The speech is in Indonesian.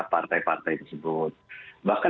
partai partai tersebut bahkan